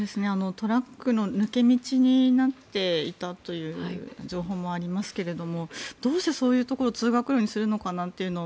トラックの抜け道になっていたという情報もありますけれどもどうしてそういうところを通学路にするのかなというところを